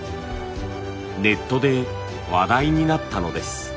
ネットで話題になったのです。